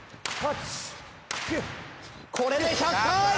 これで１００回！